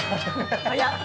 早っ。